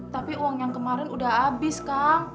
tapi uang yang kemarin udah habis kang